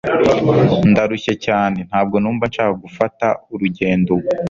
Ndarushye cyane Ntabwo numva nshaka gufata urugendo ubu